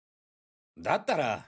だったら。